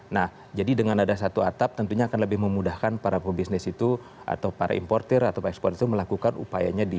nah jadi dengan ada satu atap tentunya akan lebih memudahkan para pebisnis itu atau para importer atau ekspor itu melakukan upayanya di